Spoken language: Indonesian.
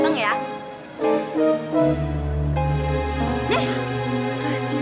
soalnya ada jodhraiknya gitu deh